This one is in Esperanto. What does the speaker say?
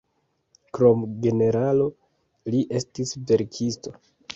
Krom generalo, li estis verkisto.